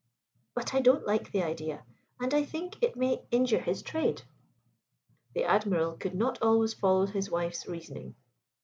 But I don't like the idea, and I think it may injure his trade." The Admiral could not always follow his wife's reasoning.